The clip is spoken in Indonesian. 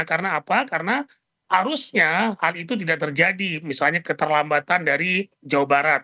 karena apa karena harusnya hal itu tidak terjadi misalnya keterlambatan dari jawa barat